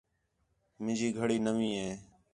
مِنجی گھڑی نوی ہے